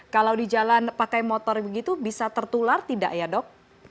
kalau di jalan pakai motor begitu bisa tertular tidak ya dok